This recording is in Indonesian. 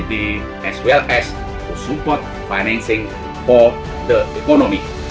dan mendukung pembayaran untuk ekonomi